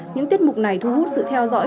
những tiết mục này thu hút sự theo dõi